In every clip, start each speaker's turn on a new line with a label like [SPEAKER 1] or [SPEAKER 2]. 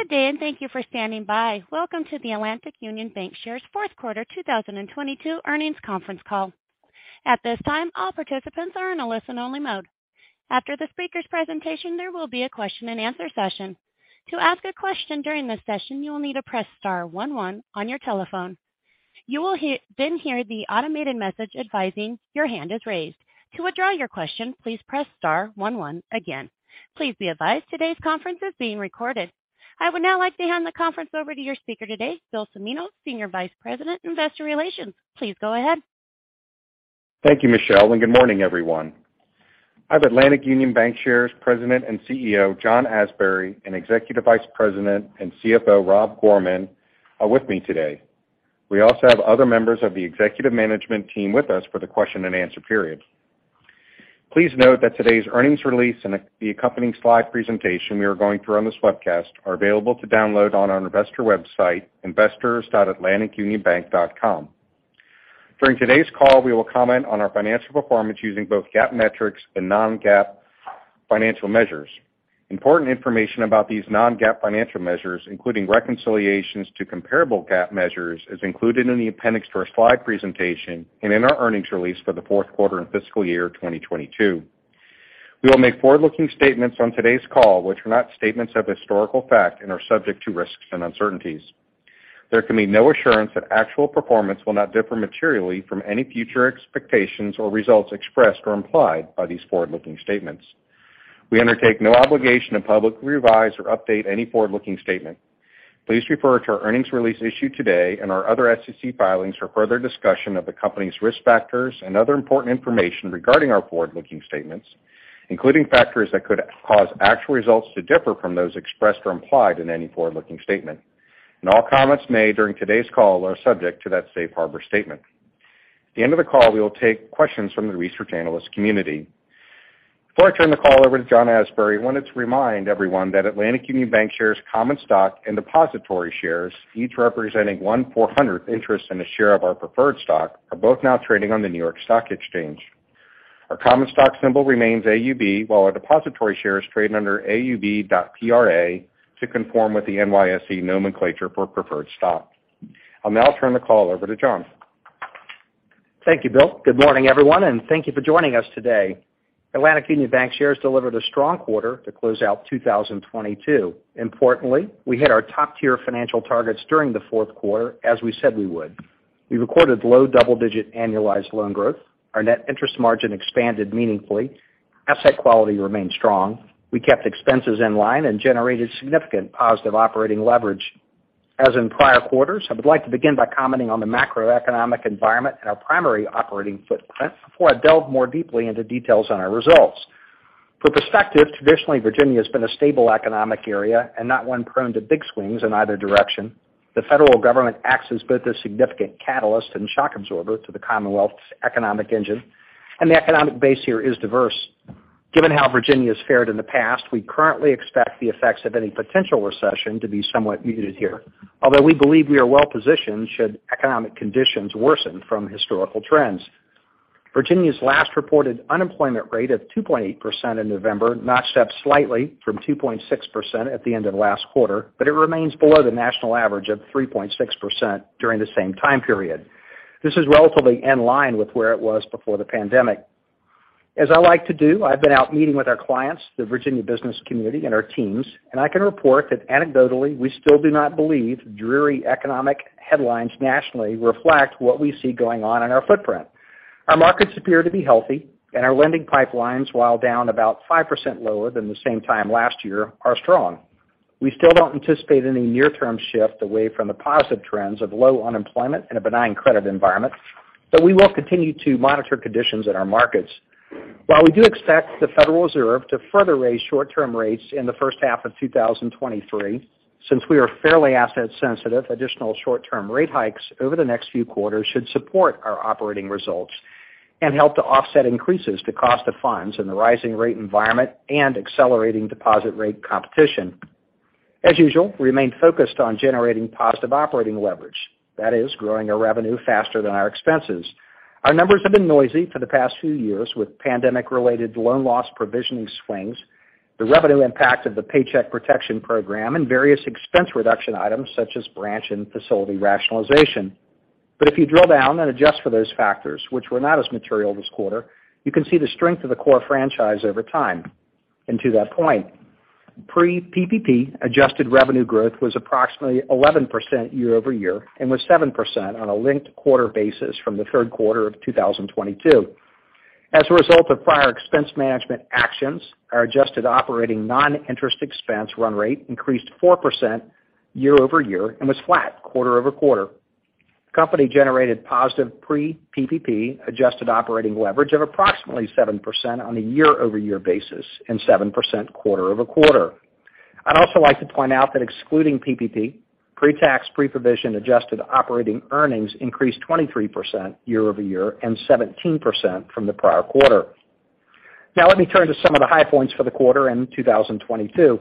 [SPEAKER 1] Good day, and thank you for standing by. Welcome to the Atlantic Union Bankshares' fourth quarter 2022 earnings conference call. At this time, all participants are in a listen-only mode. After the speaker's presentation, there will be a question-and-answer session. To ask a question during this session, you will need to press Star one one on your telephone. You will then hear the automated message advising your hand is raised. To withdraw your question, please press Star one one again. Please be advised today's conference is being recorded. I would now like to hand the conference over to your speaker today, Bill Cimino, Senior Vice President, Investor Relations. Please go ahead.
[SPEAKER 2] Thank you, Michelle, good morning, everyone. I have Atlantic Union Bankshares President and CEO, John Asbury, and Executive Vice President and CFO, Rob Gorman, with me today. We also have other members of the executive management team with us for the question-and-answer period. Please note that today's earnings release and the accompanying slide presentation we are going through on this webcast are available to download on our investor website, investors.atlanticunionbank.com. During today's call, we will comment on our financial performance using both GAAP metrics and non-GAAP financial measures. Important information about these non-GAAP financial measures, including reconciliations to comparable GAAP measures, is included in the appendix to our slide presentation and in our earnings release for the fourth quarter and fiscal year 2022. We will make forward-looking statements on today's call, which are not statements of historical fact and are subject to risks and uncertainties. There can be no assurance that actual performance will not differ materially from any future expectations or results expressed or implied by these forward-looking statements. We undertake no obligation to publicly revise or update any forward-looking statement. Please refer to our earnings release issued today and our other SEC filings for further discussion of the company's risk factors and other important information regarding our forward-looking statements, including factors that could cause actual results to differ from those expressed or implied in any forward-looking statement. All comments made during today's call are subject to that safe harbor statement. At the end of the call, we will take questions from the research analyst community. Before I turn the call over to John C. Asbury, I wanted to remind everyone that Atlantic Union Bankshares common stock and depository shares, each representing one four-hundredth interest in a share of our preferred stock, are both now trading on the New York Stock Exchange. Our common stock symbol remains AUB, while our depository shares trade under AUB.PRA to conform with the NYSE nomenclature for preferred stock. I'll now turn the call over to John.
[SPEAKER 3] Thank you, Bill. Good morning, everyone, and thank you for joining us today. Atlantic Union Bankshares delivered a strong quarter to close out 2022. Importantly, we hit our top-tier financial targets during the fourth quarter, as we said we would. We recorded low double-digit annualized loan growth. Our net interest margin expanded meaningfully. Asset quality remained strong. We kept expenses in line and generated significant positive operating leverage. As in prior quarters, I would like to begin by commenting on the macroeconomic environment and our primary operating footprint before I delve more deeply into details on our results. For perspective, traditionally, Virginia has been a stable economic area and not one prone to big swings in either direction. The federal government acts as both a significant catalyst and shock absorber to the Commonwealth's economic engine, and the economic base here is diverse. Given how Virginia's fared in the past, we currently expect the effects of any potential recession to be somewhat muted here, although we believe we are well-positioned should economic conditions worsen from historical trends. Virginia's last reported unemployment rate of 2.8% in November notched up slightly from 2.6% at the end of last quarter, but it remains below the national average of 3.6% during the same time period. This is relatively in line with where it was before the pandemic. As I like to do, I've been out meeting with our clients, the Virginia business community and our teams, and I can report that anecdotally, we still do not believe dreary economic headlines nationally reflect what we see going on in our footprint. Our markets appear to be healthy, our lending pipelines, while down about 5% lower than the same time last year, are strong. We still don't anticipate any near-term shift away from the positive trends of low unemployment and a benign credit environment, we will continue to monitor conditions in our markets. We do expect the Federal Reserve to further raise short-term rates in the first half of 2023, since we are fairly asset sensitive, additional short-term rate hikes over the next few quarters should support our operating results and help to offset increases to cost of funds in the rising rate environment and accelerating deposit rate competition. As usual, we remain focused on generating positive operating leverage, that is, growing our revenue faster than our expenses. Our numbers have been noisy for the past few years with pandemic-related loan loss provisioning swings, the revenue impact of the Paycheck Protection Program, and various expense reduction items such as branch and facility rationalization. If you drill down and adjust for those factors, which were not as material this quarter, you can see the strength of the core franchise over time. To that point, pre-PPP adjusted revenue growth was approximately 11% year-over-year and was 7% on a linked quarter basis from the 3rd quarter of 2022. As a result of prior expense management actions, our adjusted operating non-interest expense run rate increased 4% year-over-year and was flat quarter-over-quarter. The company generated positive pre-PPP adjusted operating leverage of approximately 7% on a year-over-year basis and 7% quarter-over-quarter. I'd also like to point out that excluding PPP, pre-tax, pre-provision adjusted operating earnings increased 23% year-over-year and 17% from the prior quarter. Let me turn to some of the high points for the quarter end 2022.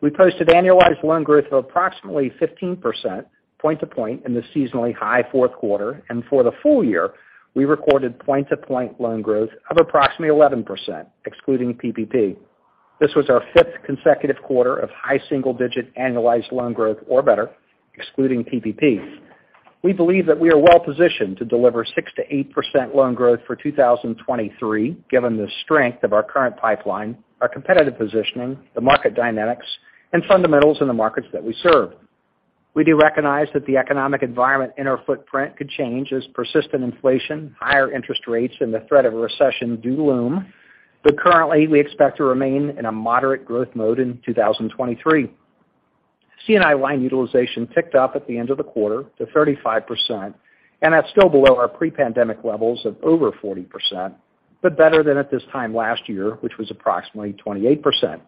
[SPEAKER 3] We posted annualized loan growth of approximately 15% point-to-point in the seasonally high fourth quarter. For the full year, we recorded point-to-point loan growth of approximately 11%, excluding PPP. This was our fifth consecutive quarter of high single-digit annualized loan growth or better, excluding PPP. We believe that we are well positioned to deliver 6%-8% loan growth for 2023, given the strength of our current pipeline, our competitive positioning, the market dynamics, and fundamentals in the markets that we serve. We do recognize that the economic environment in our footprint could change as persistent inflation, higher interest rates, and the threat of a recession do loom. Currently, we expect to remain in a moderate growth mode in 2023. C&I line utilization ticked up at the end of the quarter to 35%, that's still below our pre-pandemic levels of over 40%, but better than at this time last year, which was approximately 28%.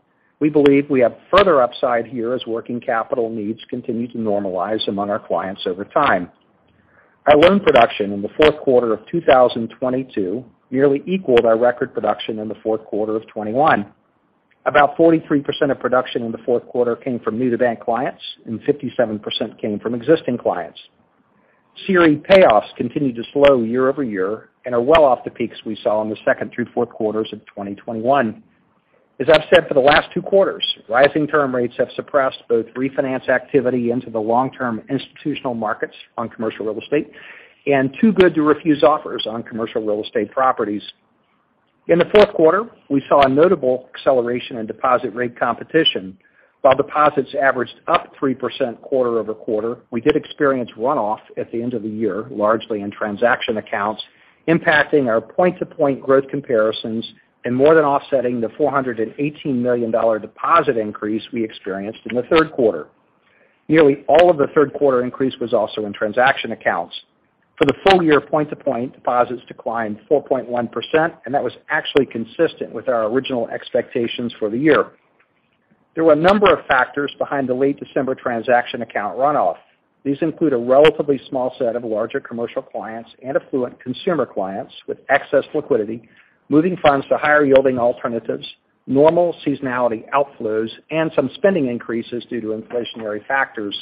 [SPEAKER 3] We believe we have further upside here as working capital needs continue to normalize among our clients over time. Our loan production in the fourth quarter of 2022 nearly equaled our record production in the fourth quarter of 2021. About 43% of production in the fourth quarter came from new-to-bank clients, 57% came from existing clients. CRE payoffs continued to slow year-over-year and are well off the peaks we saw in the 2nd through 4th quarters of 2021. As I've said for the last two quarters, rising term rates have suppressed both refinance activity into the long-term institutional markets on commercial real estate and too-good-to-refuse offers on commercial real estate properties. In the 4th quarter, we saw a notable acceleration in deposit rate competition. While deposits averaged up 3% quarter-over-quarter, we did experience runoff at the end of the year, largely in transaction accounts, impacting our point-to-point growth comparisons and more than offsetting the $418 million deposit increase we experienced in the 3rd quarter. Nearly all of the 3rd quarter increase was also in transaction accounts. For the full year point-to-point, deposits declined 4.1%. That was actually consistent with our original expectations for the year. There were a number of factors behind the late December transaction account runoff. These include a relatively small set of larger commercial clients and affluent consumer clients with excess liquidity, moving funds to higher-yielding alternatives, normal seasonality outflows, and some spending increases due to inflationary factors.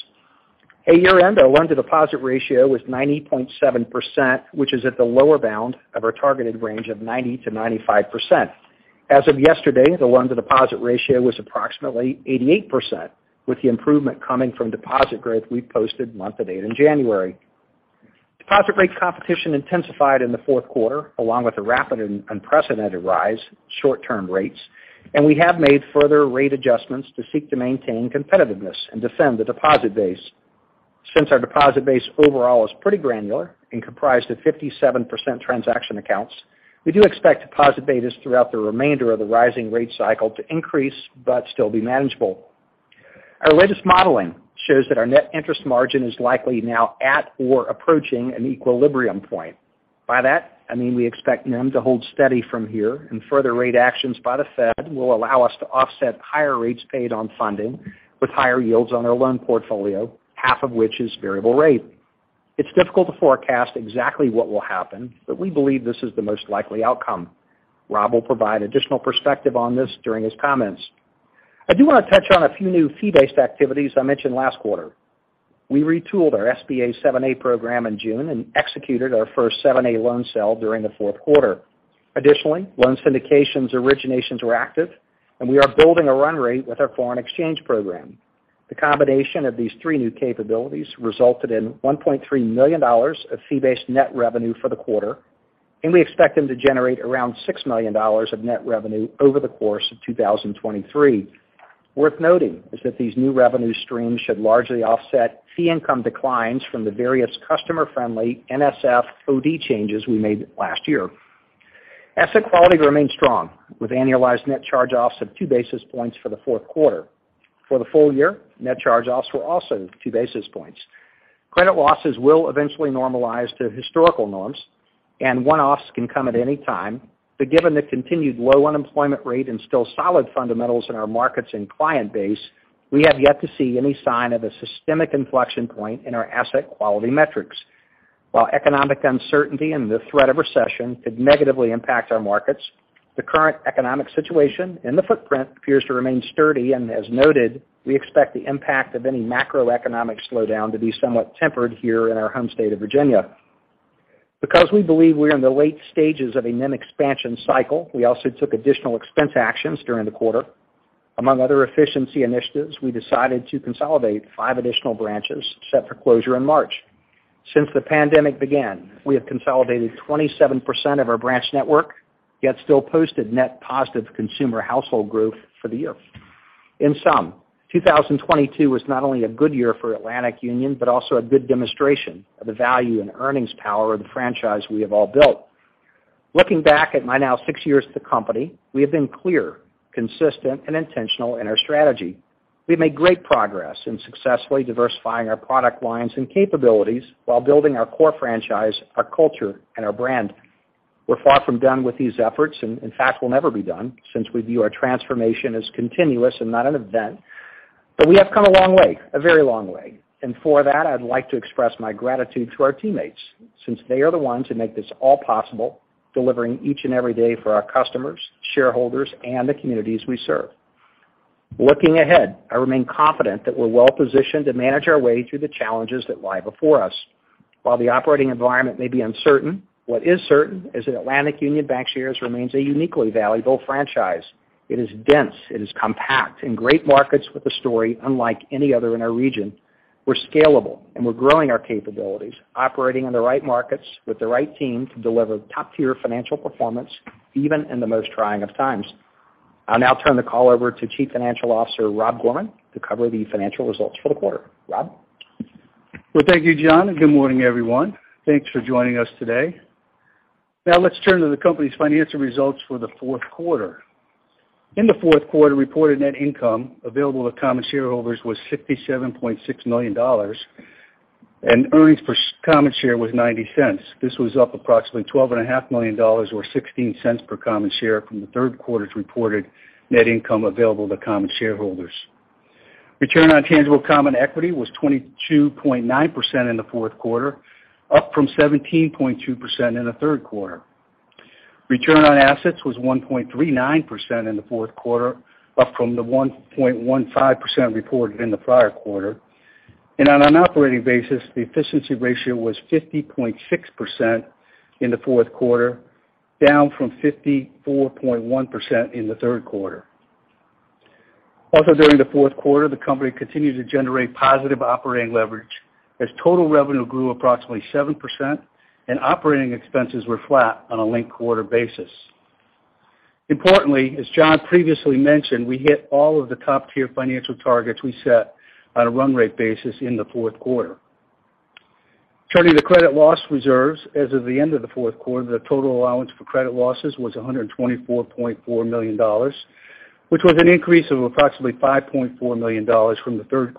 [SPEAKER 3] At year-end, our loan-to-deposit ratio was 90.7%, which is at the lower bound of our targeted range of 90%-95%. As of yesterday, the loan-to-deposit ratio was approximately 88%, with the improvement coming from deposit growth we posted month-to-date in January. Deposit rate competition intensified in the fourth quarter, along with a rapid and unprecedented rise in short-term rates, we have made further rate adjustments to seek to maintain competitiveness and defend the deposit base. Since our deposit base overall is pretty granular and comprised of 57% transaction accounts, we do expect deposit betas throughout the remainder of the rising rate cycle to increase but still be manageable. Our latest modeling shows that our net interest margin is likely now at or approaching an equilibrium point. By that, I mean we expect NIM to hold steady from here, further rate actions by the Fed will allow us to offset higher rates paid on funding with higher yields on our loan portfolio, half of which is variable rate. It's difficult to forecast exactly what will happen, we believe this is the most likely outcome. Rob will provide additional perspective on this during his comments. I do want to touch on a few new fee-based activities I mentioned last quarter. We retooled our SBA 7A program in June and executed our first 7A loan sell during the fourth quarter. Loan syndications originations were active, and we are building a run rate with our foreign exchange program. The combination of these three new capabilities resulted in $1.3 million of fee-based net revenue for the quarter, and we expect them to generate around $6 million of net revenue over the course of 2023. Worth noting is that these new revenue streams should largely offset fee income declines from the various customer-friendly NSF OD changes we made last year. Asset quality remained strong, with annualized net charge-offs of two basis points for the fourth quarter. For the full year, net charge-offs were also two basis points. Credit losses will eventually normalize to historical norms. One-offs can come at any time. Given the continued low unemployment rate and still solid fundamentals in our markets and client base, we have yet to see any sign of a systemic inflection point in our asset quality metrics. While economic uncertainty and the threat of recession could negatively impact our markets, the current economic situation in the footprint appears to remain sturdy. As noted, we expect the impact of any macroeconomic slowdown to be somewhat tempered here in our home state of Virginia. Because we believe we're in the late stages of a NIM expansion cycle, we also took additional expense actions during the quarter. Among other efficiency initiatives, we decided to consolidate five additional branches set for closure in March. Since the pandemic began, we have consolidated 27% of our branch network, yet still posted net positive consumer household growth for the year. In sum, 2022 was not only a good year for Atlantic Union, but also a good demonstration of the value and earnings power of the franchise we have all built. Looking back at my now six years at the company, we have been clear, consistent, and intentional in our strategy. We've made great progress in successfully diversifying our product lines and capabilities while building our core franchise, our culture, and our brand. In fact, we'll never be done since we view our transformation as continuous and not an event. We have come a long way, a very long way. For that, I'd like to express my gratitude to our teammates since they are the ones who make this all possible, delivering each and every day for our customers, shareholders, and the communities we serve. Looking ahead, I remain confident that we're well-positioned to manage our way through the challenges that lie before us. While the operating environment may be uncertain, what is certain is that Atlantic Union Bankshares remains a uniquely valuable franchise. It is dense, it is compact, in great markets with a story unlike any other in our region. We're scalable, and we're growing our capabilities, operating in the right markets with the right team to deliver top-tier financial performance even in the most trying of times. I'll now turn the call over to Chief Financial Officer, Rob Gorman, to cover the financial results for the quarter. Rob?
[SPEAKER 4] Well, thank you, John C. Asbury. Good morning, everyone. Thanks for joining us today. Now let's turn to the company's financial results for the fourth quarter. In the fourth quarter, reported net income available to common shareholders was $67.6 million. Earnings per common share was $0.90. This was up approximately $12.5 million or $0.16 per common share from the third quarter's reported net income available to common shareholders. Return on tangible common equity was 22.9% in the fourth quarter, up from 17.2% in the third quarter. Return on assets was 1.39% in the fourth quarter, up from the 1.15% reported in the prior quarter. On an operating basis, the efficiency ratio was 50.6% in the fourth quarter, down from 54.1% in the third quarter. Also, during the fourth quarter, the company continued to generate positive operating leverage as total revenue grew approximately 7% and operating expenses were flat on a linked quarter basis. Importantly, as John previously mentioned, we hit all of the top-tier financial targets we set on a run rate basis in the fourth quarter. Turning to credit loss reserves. As of the end of the fourth quarter, the total allowance for credit losses was $124.4 million, which was an increase of approximately $5.4 million from the third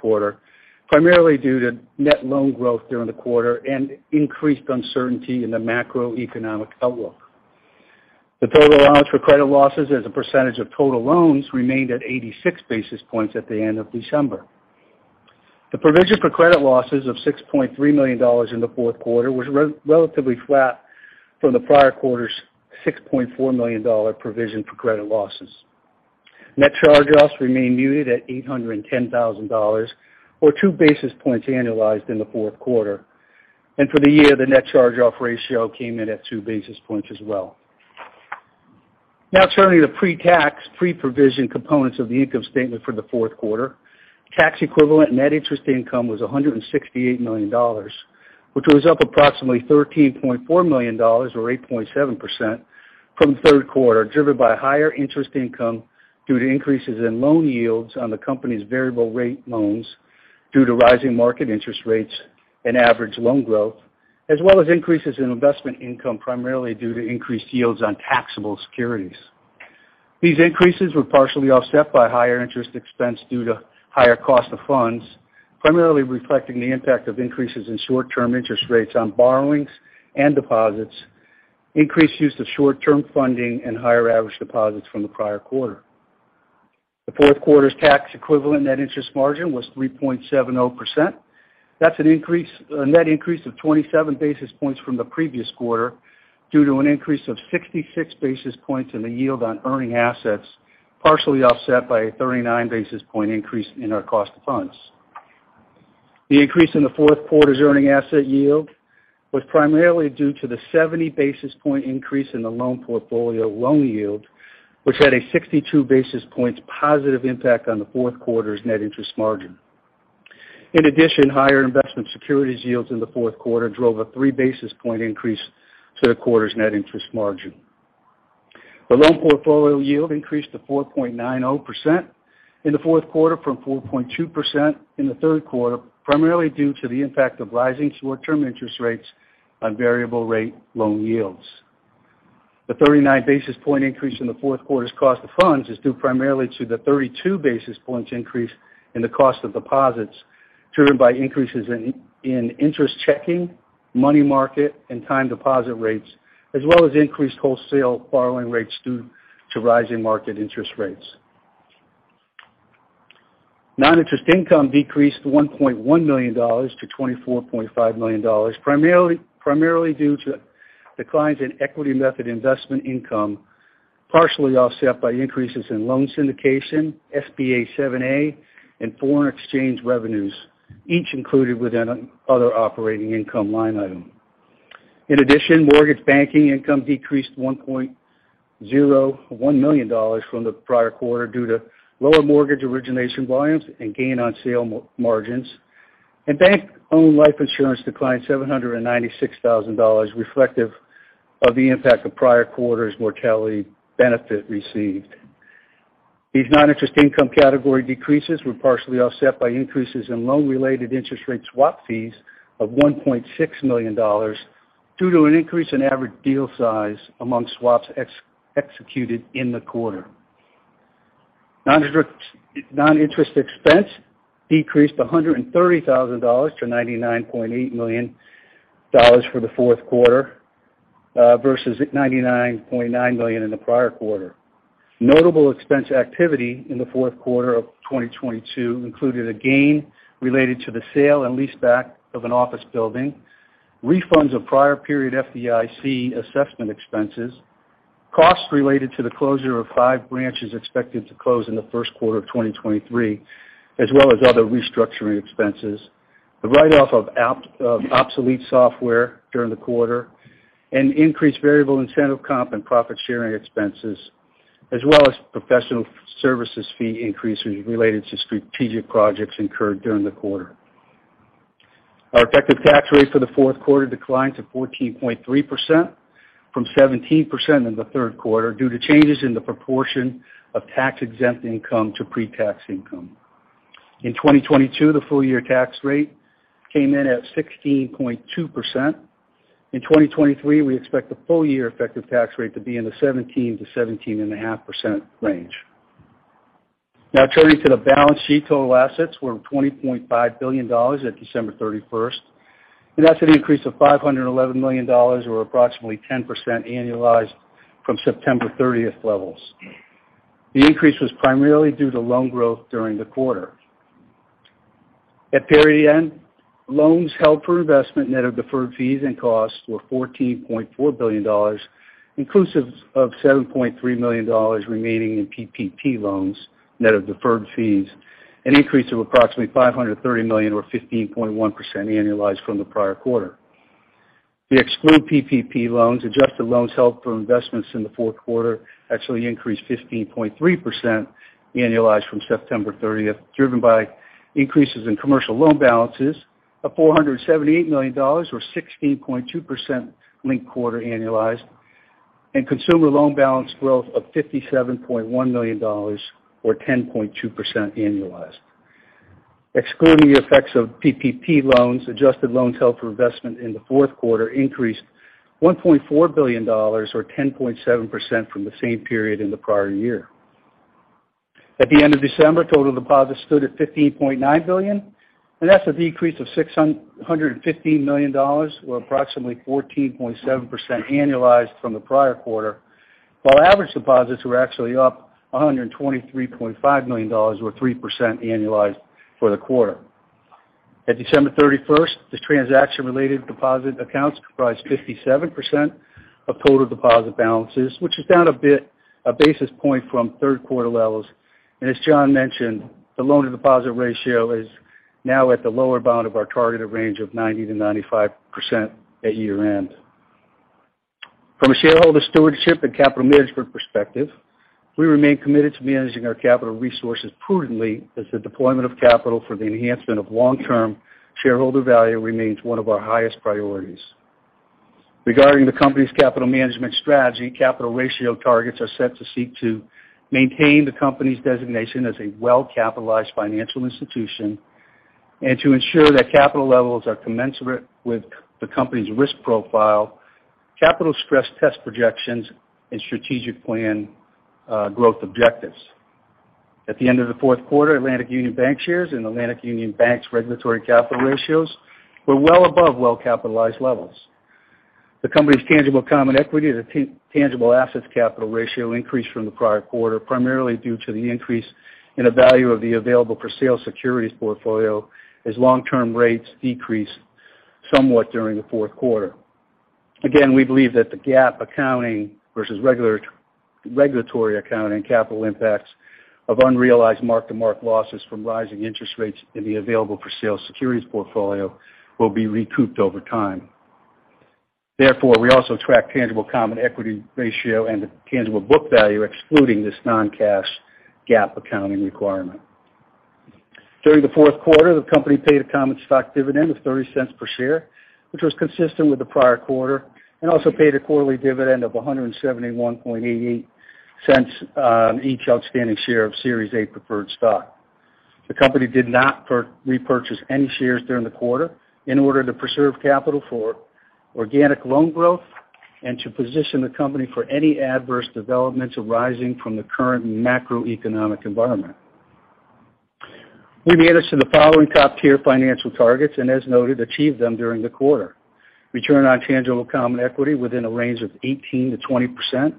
[SPEAKER 4] quarter, primarily due to net loan growth during the quarter and increased uncertainty in the macroeconomic outlook. The total allowance for credit losses as a percentage of total loans remained at 86 basis points at the end of December. The provision for credit losses of $6.3 million in the fourth quarter was relatively flat from the prior quarter's $6.4 million provision for credit losses. Net charge-offs remained muted at $810,000 or two basis points annualized in the fourth quarter. For the year, the net charge-off ratio came in at two basis points as well. Now turning to pre-tax, pre-provision components of the income statement for the fourth quarter. Tax equivalent net interest income was $168 million, which was up approximately $13.4 million or 8.7% from the third quarter, driven by higher interest income due to increases in loan yields on the company's variable rate loans due to rising market interest rates and average loan growth, as well as increases in investment income, primarily due to increased yields on taxable securities. These increases were partially offset by higher interest expense due to higher cost of funds, primarily reflecting the impact of increases in short-term interest rates on borrowings and deposits, increased use of short-term funding, and higher average deposits from the prior quarter. The fourth quarter's tax equivalent net interest margin was 3.70%. That's an increase— a net increase of 27 basis points from the previous quarter due to an increase of 66 basis points in the yield on earning assets, partially offset by a 39 basis point increase in our cost of funds. The increase in the fourth quarter's earning asset yield was primarily due to the 70 basis point increase in the loan portfolio loan yield, which had a 62 basis points positive impact on the fourth quarter's net interest margin. In addition, higher investment securities yields in the fourth quarter drove a 3 basis point increase to the quarter's net interest margin. The loan portfolio yield increased to 4.90% in the fourth quarter from 4.2% in the third quarter, primarily due to the impact of rising short-term interest rates on variable rate loan yields. The 39 basis point increase in the fourth quarter's cost of funds is due primarily to the 32 basis points increase in the cost of deposits, driven by increases in interest checking, money market, and time deposit rates, as well as increased wholesale borrowing rates due to rising market interest rates. Non-interest income decreased to $1.1 million to $24.5 million, primarily due to declines in equity method investment income, partially offset by increases in loan syndication, SBA 7(a), and foreign exchange revenues, each included within an other operating income line item. Mortgage banking income decreased $1.01 million from the prior quarter due to lower mortgage origination volumes and gain on sale margins. Bank-owned life insurance declined $796,000, reflective of the impact of prior quarter's mortality benefit received. These non-interest income category decreases were partially offset by increases in loan-related interest rate swap fees of $1.6 million due to an increase in average deal size among swaps executed in the quarter. Non-interest expense decreased $130,000 to $99.8 million for the fourth quarter versus $99.9 million in the prior quarter. Notable expense activity in the fourth quarter of 2022 included a gain related to the sale and leaseback of an office building, refunds of prior period FDIC assessment expenses, costs related to the closure of 5 branches expected to close in the first quarter of 2023, as well as other restructuring expenses. The write-off of obsolete software during the quarter and increased variable incentive comp and profit-sharing expenses, as well as professional services fee increases related to strategic projects incurred during the quarter. Our effective tax rate for the fourth quarter declined to 14.3% from 17% in the third quarter due to changes in the proportion of tax-exempt income to pre-tax income. In 2022, the full-year tax rate came in at 16.2%. In 2023, we expect the full-year effective tax rate to be in the 17% to 17.5% range. Turning to the balance sheet. Total assets were $20.5 billion at December 31st, and that's an increase of $511 million or approximately 10% annualized from September 30th levels. The increase was primarily due to loan growth during the quarter. At period end, loans held for investment net of deferred fees and costs were $14.4 billion, inclusive of $7.3 million remaining in PPP loans, net of deferred fees, an increase of approximately $530 million or 15.1% annualized from the prior quarter. If you exclude PPP loans, adjusted loans held for investments in the fourth quarter actually increased 15.3% annualized from September 30th, driven by increases in commercial loan balances of $478 million or 16.2% linked quarter annualized and consumer loan balance growth of $57.1 million or 10.2% annualized. Excluding the effects of PPP loans, adjusted loans held for investment in the fourth quarter increased $1.4 billion or 10.7% from the same period in the prior year. At the end of December, total deposits stood at $15.9 billion. That's a decrease of $615 million or approximately 14.7% annualized from the prior quarter, while average deposits were actually up $123.5 million or 3% annualized for the quarter. At December 31st, the transaction-related deposit accounts comprised 57% of total deposit balances, which is down a bit, a basis point from third quarter levels. As John mentioned, the loan-to-deposit ratio is now at the lower bound of our targeted range of 90%-95% at year-end. From a shareholder stewardship and capital management perspective, we remain committed to managing our capital resources prudently as the deployment of capital for the enhancement of long-term shareholder value remains one of our highest priorities. Regarding the company's capital management strategy, capital ratio targets are set to seek to maintain the company's designation as a well-capitalized financial institution and to ensure that capital levels are commensurate with the company's risk profile, capital stress test projections, and strategic plan growth objectives. At the end of the fourth quarter, Atlantic Union Bankshares and Atlantic Union Bank's regulatory capital ratios were well above well-capitalized levels. The company's tangible common equity and the tangible assets capital ratio increased from the prior quarter, primarily due to the increase in the value of the available for sale securities portfolio as long-term rates decreased somewhat during the fourth quarter. We believe that the GAAP accounting versus regulatory accounting capital impacts of unrealized mark-to-mark losses from rising interest rates in the available for sale securities portfolio will be recouped over time. Therefore, we also track tangible common equity ratio and the tangible book value excluding this non-cash GAAP accounting requirement. During the fourth quarter, the company paid a common stock dividend of $0.30 per share, which was consistent with the prior quarter, and also paid a quarterly dividend of $1.7188 on each outstanding share of Series A preferred stock. The company did not repurchase any shares during the quarter in order to preserve capital for organic loan growth and to position the company for any adverse developments arising from the current macroeconomic environment. We made it to the following top-tier financial targets and as noted, achieved them during the quarter. Return on tangible common equity within a range of 18%-20%.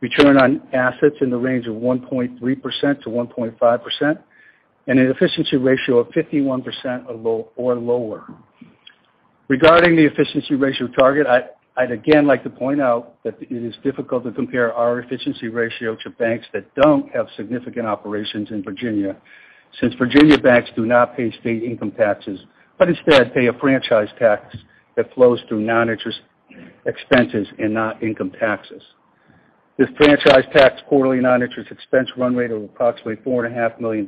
[SPEAKER 4] Return on assets in the range of 1.3% to 1.5%, an efficiency ratio of 51% or lower. Regarding the efficiency ratio target, I'd again like to point out that it is difficult to compare our efficiency ratio to banks that don't have significant operations in Virginia, since Virginia banks do not pay state income taxes, but instead pay a franchise tax that flows through non-interest expenses and not income taxes. This franchise tax quarterly non-interest expense run rate of approximately $4.5 million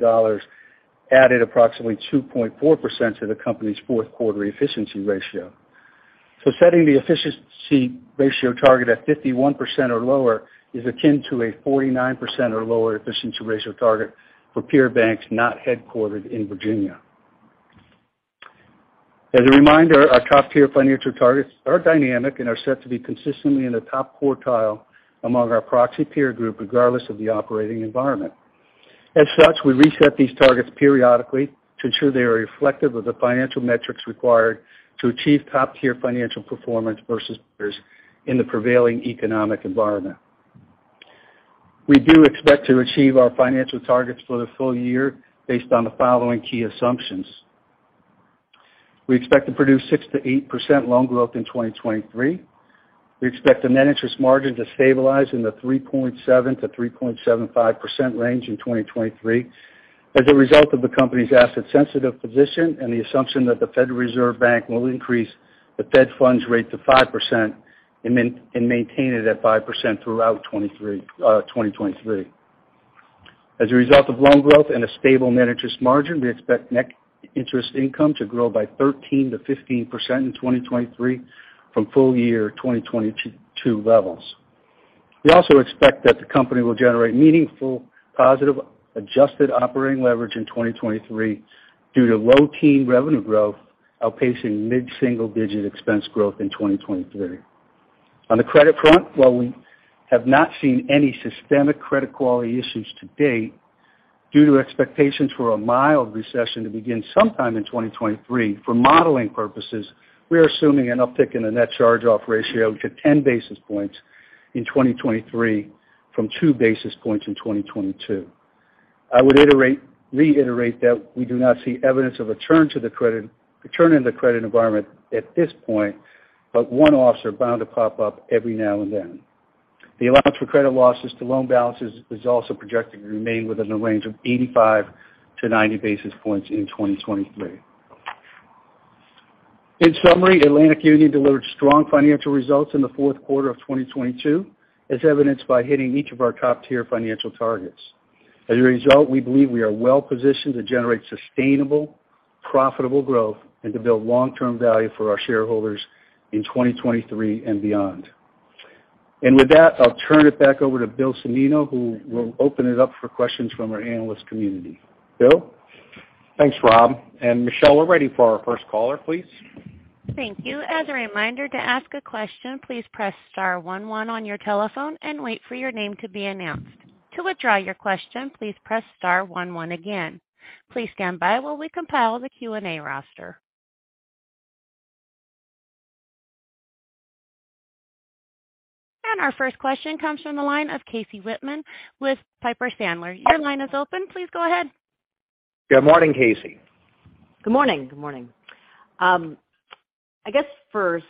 [SPEAKER 4] added approximately 2.4% to the company's fourth quarter efficiency ratio. Setting the efficiency ratio target at 51% or lower is akin to a 49% or lower efficiency ratio target for peer banks not headquartered in Virginia. As a reminder, our top-tier financial targets are dynamic and are set to be consistently in the top quartile among our proxy peer group, regardless of the operating environment. As such, we reset these targets periodically to ensure they are reflective of the financial metrics required to achieve top-tier financial performance versus peers in the prevailing economic environment. We do expect to achieve our financial targets for the full year based on the following key assumptions. We expect to produce 6%-8% loan growth in 2023. We expect the net interest margin to stabilize in the 3.7%-3.75% range in 2023 as a result of the company's asset sensitive position and the assumption that the Federal Reserve Bank will increase the Fed funds rate to 5% and then maintain it at 5% throughout 2023. As a result of loan growth and a stable net interest margin, we expect net interest income to grow by 13%-15% in 2023 from full year 2022 levels. We also expect that the company will generate meaningful positive adjusted operating leverage in 2023 due to low-teen revenue growth outpacing mid-single-digit expense growth in 2023. On the credit front, while we have not seen any systemic credit quality issues to date, due to expectations for a mild recession to begin sometime in 2023, for modeling purposes, we are assuming an uptick in the net charge off ratio to 10 basis points in 2023 from 2 basis points in 2022. I would iterate, reiterate that we do not see evidence of a turn to the credit, a turn in the credit environment at this point. One officer bound to pop up every now and then. The allowance for credit losses to loan balances is also projected to remain within the range of 85 to 90 basis points in 2023. In summary, Atlantic Union delivered strong financial results in the fourth quarter of 2022, as evidenced by hitting each of our top tier financial targets. As a result, we believe we are well positioned to generate sustainable, profitable growth and to build long-term value for our shareholders in 2023 and beyond. With that, I'll turn it back over to Bill Cimino, who will open it up for questions from our analyst community. Bill?
[SPEAKER 2] Thanks, Rob. Michelle, we're ready for our first caller, please.
[SPEAKER 1] Thank you. As a reminder to ask a question, please press star one one on your telephone and wait for your name to be announced. To withdraw your question, please press star one one again. Please stand by while we compile the Q&A roster. Our first question comes from the line of Casey Whitman with Piper Sandler. Your line is open. Please go ahead.
[SPEAKER 3] Good morning, Casey.
[SPEAKER 5] Good morning, good morning. I guess first,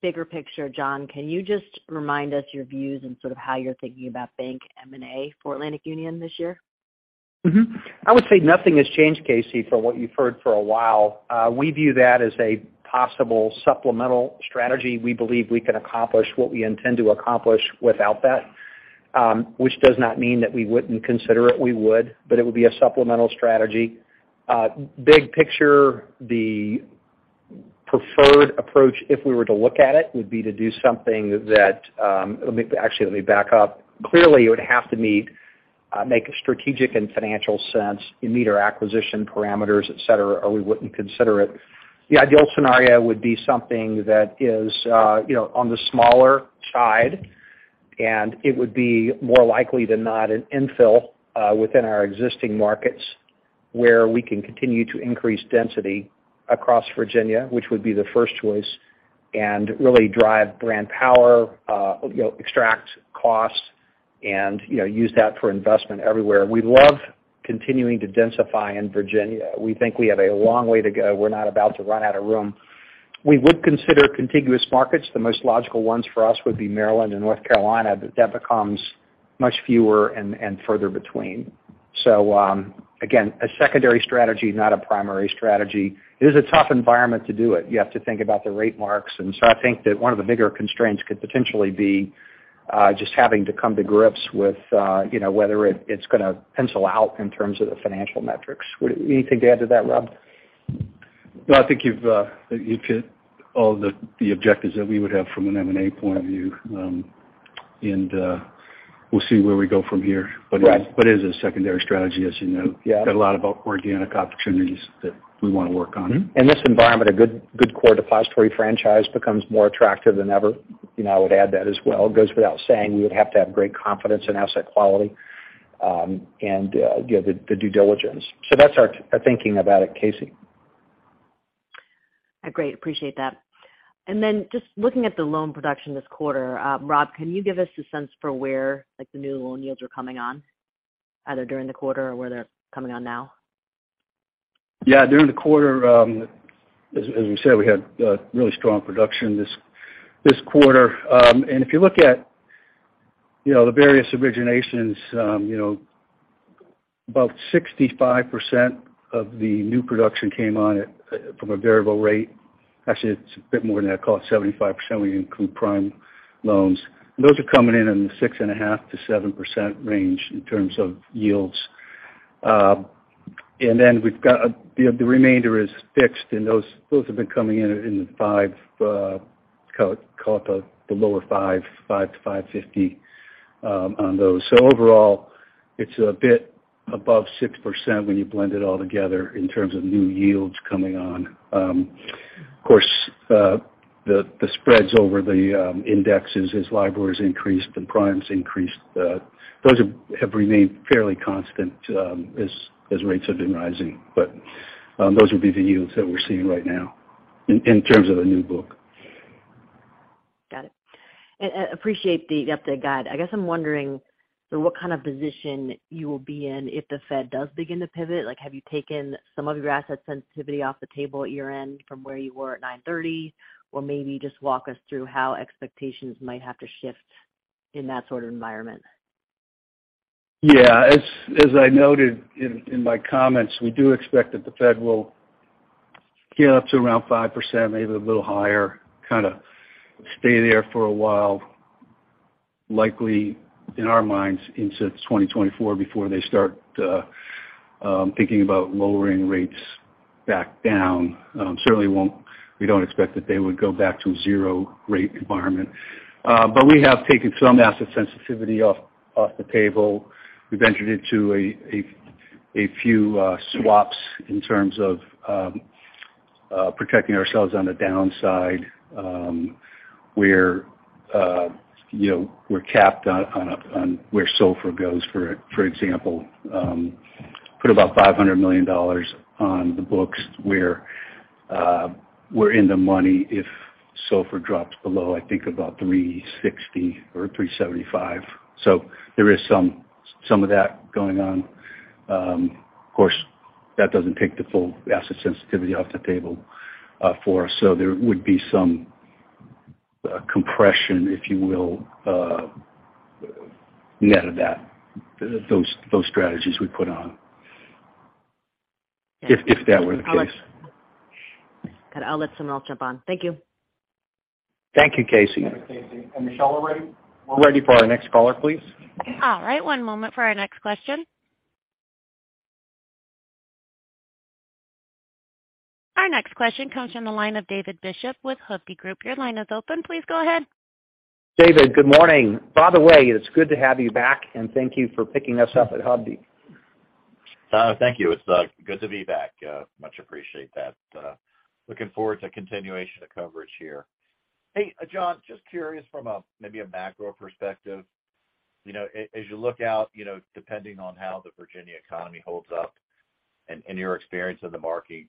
[SPEAKER 5] bigger picture, John, can you just remind us your views and sort of how you're thinking about bank M&A for Atlantic Union this year?
[SPEAKER 3] Mm-hmm. I would say nothing has changed, Casey, from what you've heard for a while. We view that as a possible supplemental strategy. We believe we can accomplish what we intend to accomplish without that, which does not mean that we wouldn't consider it, we would, but it would be a supplemental strategy. big picture, the preferred approach if we were to look at it, would be to do something. Actually, let me back up. Clearly, it would have to meet, make strategic and financial sense and meet our acquisition parameters, et cetera, or we wouldn't consider it. The ideal scenario would be something that is, you know, on the smaller side, and it would be more likely than not an infill within our existing markets where we can continue to increase density across Virginia, which would be the first choice, and really drive brand power, you know, extract costs and, you know, use that for investment everywhere. We love continuing to densify in Virginia. We think we have a long way to go. We're not about to run out of room. We would consider contiguous markets. The most logical ones for us would be Maryland and North Carolina, but that becomes much fewer and further between. Again, a secondary strategy, not a primary strategy. It is a tough environment to do it. You have to think about the rate marks. I think that one of the bigger constraints could potentially be, just having to come to grips with, you know, whether it's gonna pencil out in terms of the financial metrics. Anything to add to that, Rob?
[SPEAKER 4] No, I think you've hit all the objectives that we would have from an M&A point of view. We'll see where we go from here.
[SPEAKER 3] Right.
[SPEAKER 4] It is a secondary strategy, as you know.
[SPEAKER 3] Yeah.
[SPEAKER 4] Got a lot of organic opportunities that we wanna work on.
[SPEAKER 3] Mm-hmm. In this environment, a good core depository franchise becomes more attractive than ever. You know, I would add that as well. It goes without saying, we would have to have great confidence in asset quality, and, you know, the due diligence. That's our thinking about it, Casey.
[SPEAKER 5] Great. Appreciate that. Just looking at the loan production this quarter, Rob, can you give us a sense for where like the new loan yields are coming on, either during the quarter or where they're coming on now?
[SPEAKER 4] Yeah, during the quarter, as we said, we had really strong production this quarter. If you look at, you know, the various originations, you know, about 65% of the new production came on at from a variable rate. Actually, it's a bit more than that. Call it 75% when you include prime loans. Those are coming in in the 6.5%-7% range in terms of yields. Then we've got, you know, the remainder is fixed, and those have been coming in in the five, call it, the lower 5%-5.50% on those. Overall, it's a bit above 6% when you blend it all together in terms of new yields coming on. Of course, the spreads over the indexes as LIBOR has increased and prime increased, those have remained fairly constant as rates have been rising. Those would be the yields that we're seeing right now in terms of the new book.
[SPEAKER 5] Got it. Appreciate the update guide. I guess I'm wondering what kind of position you will be in if the Fed does begin to pivot. Like, have you taken some of your asset sensitivity off the table at your end from where you were at 9:30? Maybe just walk us through how expectations might have to shift in that sort of environment.
[SPEAKER 3] As I noted in my comments, we do expect that the Fed will get up to around 5%, maybe a little higher, kind of stay there for a while, likely, in our minds, into 2024 before they start thinking about lowering rates back down. Certainly we don't expect that they would go back to a zero rate environment. We have taken some asset sensitivity off the table. We've entered into a few swaps in terms of protecting ourselves on the downside, where, you know, we're capped on where SOFR goes, for example. Put about $500 million on the books where we're in the money if SOFR drops below, I think, about 3.60 or 3.75. There is some of that going on. Of course, that doesn't take the full asset sensitivity off the table for us. There would be some compression, if you will, net of that, those strategies we put on, if that were the case.
[SPEAKER 5] Okay. I'll let someone else jump on. Thank you.
[SPEAKER 3] Thank you, Casey.
[SPEAKER 2] Michelle, we're ready. We're ready for our next caller, please.
[SPEAKER 1] All right. One moment for our next question. Our next question comes from the line of David Bishop with Hovde Group. Your line is open. Please go ahead.
[SPEAKER 3] David, good morning. By the way, it's good to have you back, and thank you for picking us up at Hovde.
[SPEAKER 6] Thank you. It's good to be back. Much appreciate that. Looking forward to continuation of coverage here. Hey, John, just curious from a maybe a macro perspective. You know, as you look out, you know, depending on how the Virginia economy holds up and your experience in the market,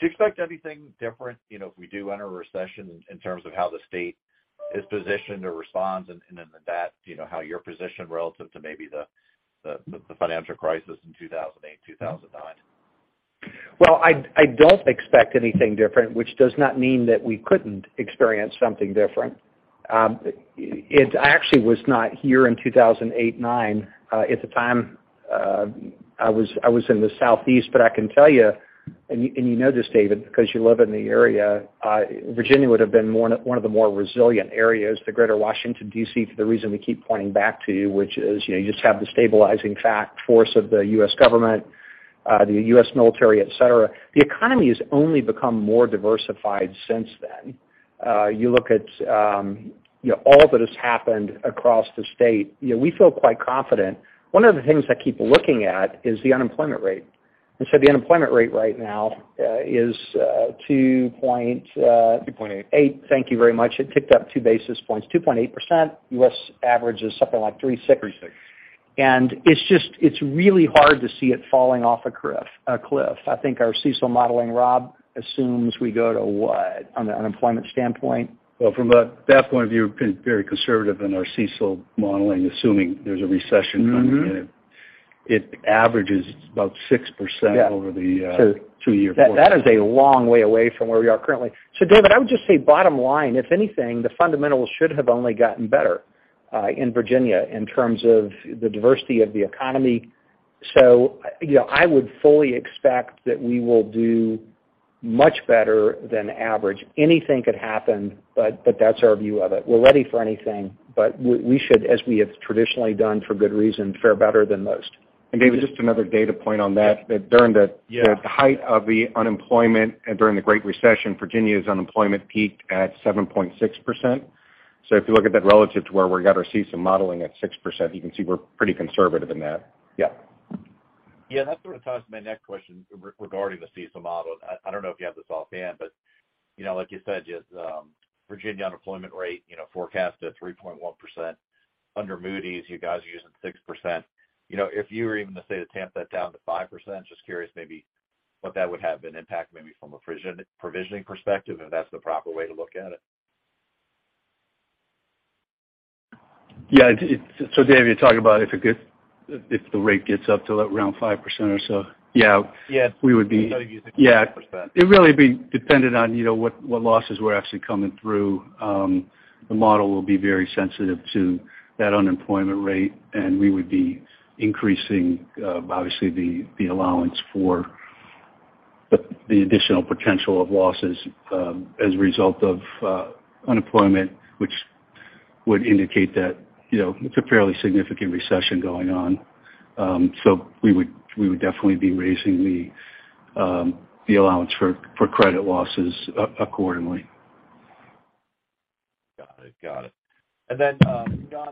[SPEAKER 6] do you expect anything different, you know, if we do enter a recession in terms of how the state is positioned or responds, and then that, you know, how you're positioned relative to maybe the, the financial crisis in 2008, 2009?
[SPEAKER 3] Well, I don't expect anything different, which does not mean that we couldn't experience something different. I actually was not here in 2008, 2009. At the time, I was in the southeast, but I can tell you, and you know this, David, because you live in the area, Virginia would have been one of the more resilient areas to Greater Washington D.C. for the reason we keep pointing back to, which is, you know, you just have the stabilizing fact force of the U.S. government, the U.S. military, et cetera. The economy has only become more diversified since then. You look at, you know, all that has happened across the state, you know, we feel quite confident. One of the things I keep looking at is the unemployment rate. The unemployment rate right now is two point.
[SPEAKER 4] 2.8.
[SPEAKER 3] 8. Thank you very much. It ticked up 2 basis points, 2.8%. U.S. average is something like 3.6%.
[SPEAKER 4] 3 6.
[SPEAKER 3] It's just, it's really hard to see it falling off a cliff. I think our CECL modeling, Rob assumes we go to what on the unemployment standpoint?
[SPEAKER 4] Well, from a staff point of view, we've been very conservative in our CECL modeling, assuming there's a recession coming in.
[SPEAKER 3] Mm-hmm.
[SPEAKER 4] It averages about 6%.
[SPEAKER 3] Yeah
[SPEAKER 4] over the two-year
[SPEAKER 3] That is a long way away from where we are currently. David, I would just say bottom line, if anything, the fundamentals should have only gotten better in Virginia in terms of the diversity of the economy. You know, I would fully expect that we will do much better than average. Anything could happen, but that's our view of it. We're ready for anything, but we should, as we have traditionally done for good reason, fare better than most.
[SPEAKER 4] David, just another data point on that. That during the-
[SPEAKER 3] Yeah.
[SPEAKER 4] The height of the unemployment and during the Great Recession, Virginia's unemployment peaked at 7.6%. If you look at that relative to where we've got our CECL modeling at 6%, you can see we're pretty conservative in that.
[SPEAKER 3] Yeah.
[SPEAKER 6] Yeah, that sort of ties to my next question regarding the CECL model. I don't know if you have this offhand, but, you know, like you said, just, Virginia unemployment rate, you know, forecast at 3.1%. Under Moody's, you guys are using 6%. You know, if you were even to say to tamp that down to 5%, just curious maybe what that would have an impact maybe from a provisioning perspective, if that's the proper way to look at it.
[SPEAKER 4] Yeah, Dave, you're talking about if the rate gets up to around 5% or so? Yeah.
[SPEAKER 6] Yes.
[SPEAKER 4] We would be-.
[SPEAKER 6] I thought you'd be using that perspective.
[SPEAKER 4] Yeah. It'd really be dependent on, you know, what losses were actually coming through. The model will be very sensitive to that unemployment rate, and we would be increasing, obviously the allowance for the additional potential of losses, as a result of unemployment, which would indicate that, you know, it's a fairly significant recession going on. We would definitely be raising the allowance for credit losses accordingly.
[SPEAKER 6] Got it. Got it. Then, John,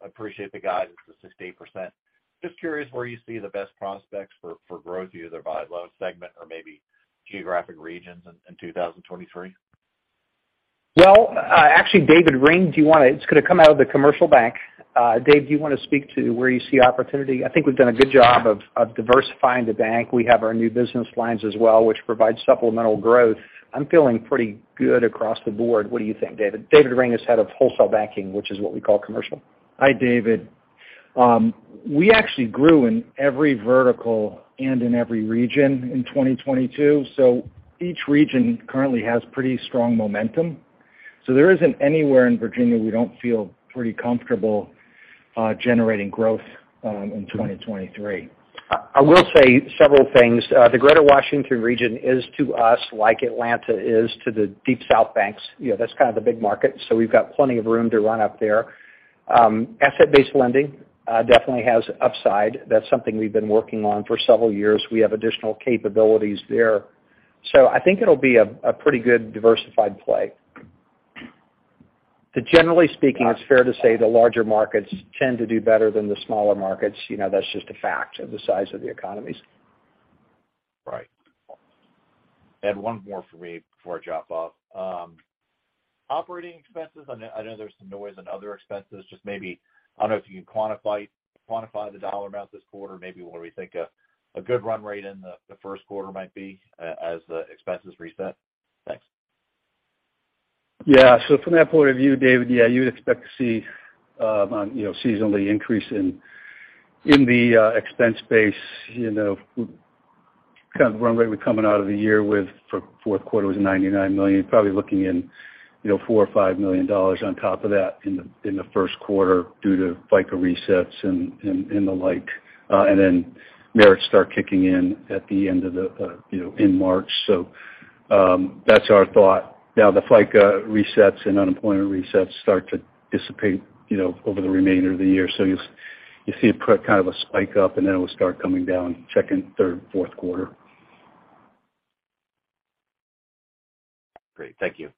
[SPEAKER 6] I appreciate the guidance, the 68%. Just curious where you see the best prospects for growth, either by loan segment or maybe geographic regions in 2023.
[SPEAKER 3] Well, actually, David Ring, it's gonna come out of the commercial bank. Dave, do you wanna speak to where you see opportunity? I think we've done a good job of diversifying the bank. We have our new business lines as well, which provideSsupplemental growth. I'm feeling pretty good across the board. What do you think, David? David Ring is head of Wholesale Banking, which is what we call commercial.
[SPEAKER 7] Hi, David. We actually grew in every vertical and in every region in 2022. Each region currently has pretty strong momentum. There isn't anywhere in Virginia we don't feel pretty comfortable generating growth in 2023.
[SPEAKER 3] I will say several things. The Greater Washington region is to us like Atlanta is to the Deep South banks. You know, that's kind of the big market, so we've got plenty of room to run up there. Asset-based lending definitely has upside. That's something we've been working on for several years. We have additional capabilities there. I think it'll be a pretty good diversified play. Generally speaking, it's fair to say the larger markets tend to do better than the smaller markets. You know, that's just a fact of the size of the economies.
[SPEAKER 6] Right. I have one more for me before I drop off. Operating expenses, I know there's some noise on other expenses, just maybe, I don't know if you can quantify the dollar amount this quarter, maybe what we think a good run rate in the first quarter might be as the expenses reset. Thanks.
[SPEAKER 4] Yeah. From that point of view, David, yeah, you would expect to see, you know, seasonally increase in the expense base, you know, kind of run rate we're coming out of the year with for fourth quarter was $99 million, probably looking in, you know, $4 million-$5 million on top of that in the first quarter due to FICA resets and the like, merits start kicking in at the end of the, you know, in March. That's our thought. Now, the FICA resets and unemployment resets start to dissipate, you know, over the remainder of the year. You'll see it put kind of a spike up, it will start coming down second, third, fourth quarter.
[SPEAKER 6] Great. Thank you.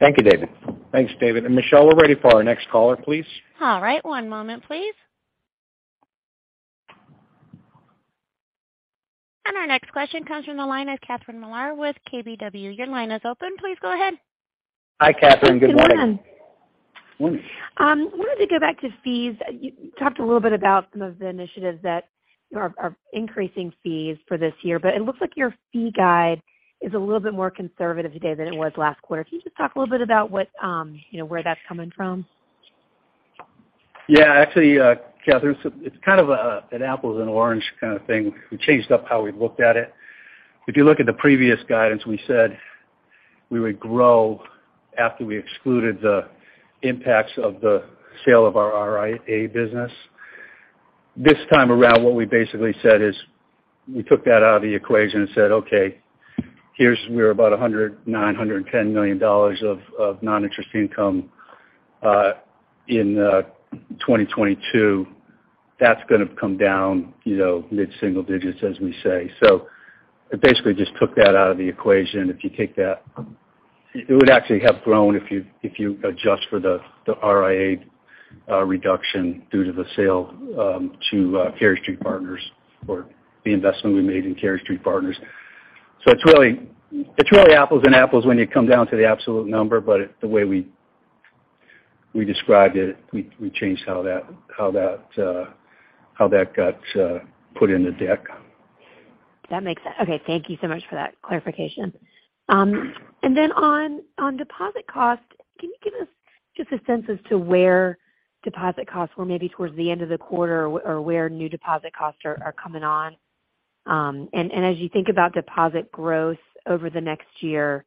[SPEAKER 3] Thank you, David.
[SPEAKER 2] Thanks, David. Michelle, we're ready for our next caller, please.
[SPEAKER 1] All right. One moment, please. Our next question comes from the line of Catherine Mealor with KBW. Your line is open. Please go ahead.
[SPEAKER 4] Hi, Catherine. Good morning.
[SPEAKER 8] Good morning. wanted to go back to fees. You talked a little bit about some of the initiatives that are increasing fees for this year. It looks like your fee guide is a little bit more conservative today than it was last quarter. Can you just talk a little bit about what, you know, where that's coming from?
[SPEAKER 4] Yeah. Actually, Catherine, it's kind of an apples and orange kind of thing. We changed up how we looked at it. If you look at the previous guidance, we said we would grow after we excluded the impacts of the sale of our RIA business. This time around, what we basically said is we took that out of the equation and said, "Okay, here's where about $910 million of non-interest income in 2022. That's gonna come down, you know, mid-single digits, as we say." I basically just took that out of the equation. It would actually have grown if you adjust for the RIA reduction due to the sale to Cherry Street Partners or the investment we made in Cherry Street Partners. it's really apples and apples when you come down to the absolute number. it's the way we described it, we changed how that, how that got put in the deck.
[SPEAKER 8] That makes sense. Okay, thank you so much for that clarification. Then on deposit cost, can you give us just a sense as to where deposit costs were maybe towards the end of the quarter or where new deposit costs are coming on? As you think about deposit growth over the next year,